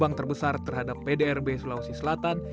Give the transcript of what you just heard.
yang menyebabkan kekembang terbesar terhadap pdrb sulawesi selatan